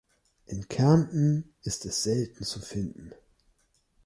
In Kärnten ist es selten zu finden.